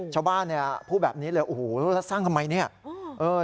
ชาวบ้านพูดแบบนี้เลยโอ้โฮสร้างทำไมเนี่ย